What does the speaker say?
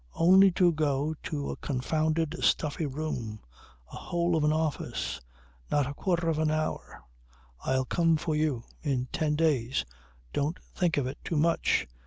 Only to go to a confounded stuffy room, a hole of an office. Not a quarter of an hour. I'll come for you in ten days. Don't think of it too much.